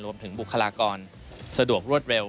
รวมถึงบุคลากรสะดวกรวดเร็ว